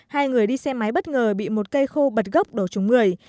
hai người đi xe máy bất ngờ bị một cây khô bật gốc đổ trúng người